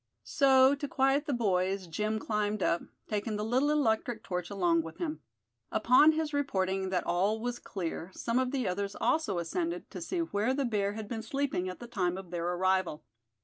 So, to quiet the boys, Jim climbed up, taking the little electric torch along with him. Upon his reporting that all was clear some of the others also ascended, to see where the bear had been sleeping at the time of their arrival.